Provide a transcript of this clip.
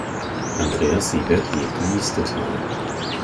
Andreas Siebert lebt in Niestetal.